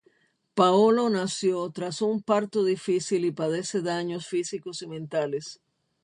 Paolo nació tras un parto difícil y padece daños físicos y mentales.